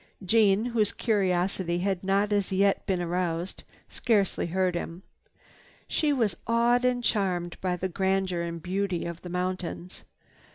Jeanne, whose curiosity had not as yet been aroused, scarcely heard him. She was awed and charmed by the grandeur and beauty of the mountains.